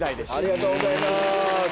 ありがとうございます。